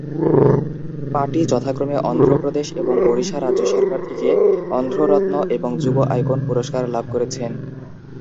পাটি যথাক্রমে অন্ধ্র প্রদেশ এবং ওড়িশা রাজ্য সরকার থেকে "অন্ধ্র রত্ন" এবং "যুব আইকন" পুরস্কার লাভ করেছেন।